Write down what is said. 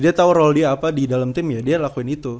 dia tahu role dia apa di dalam tim ya dia lakuin itu